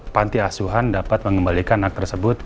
panti asuhan dapat mengembalikan anak tersebut